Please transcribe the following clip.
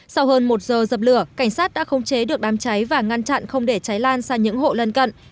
sau hơn một giờ dập lửa cảnh sát đã không chế được đám cháy và ngăn chặn không để cháy lan sang những hộ lân cận